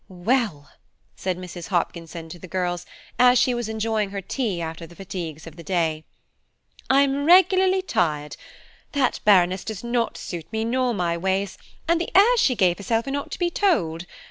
"Well," said Mrs. Hopkinson to the girls, as she was enjoying her tea after the fatigues of the day, "I'm regularly tired. That Baroness does not suit me nor my ways, and the airs she gave herself are not to be told.